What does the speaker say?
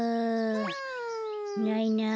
ないなあ。